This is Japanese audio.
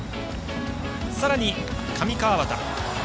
さらに上川畑。